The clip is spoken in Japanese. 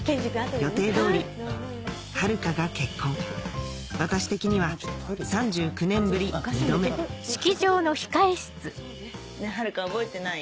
予定通り遥が結婚私的には３９年ぶり２度目ねぇ遥覚えてない？